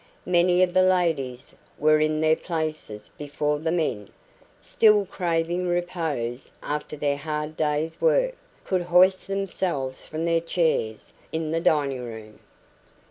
Many of the ladies were in their places before the men, still craving repose after their hard day's work, could hoist themselves from their chairs in the dining room.